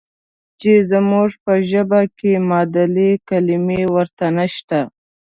چې زموږ په ژبه کې معادلې کلمې ورته نشته.